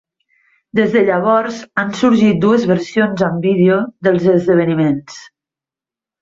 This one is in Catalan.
Des de llavors han sorgit dues versions en vídeo dels esdeveniments.